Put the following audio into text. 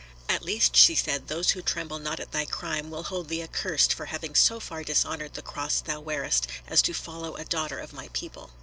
"At least," she said, "those who tremble not at thy crime will hold thee accursed for having so far dishonoured the cross thou wearest as to follow a daughter of my people."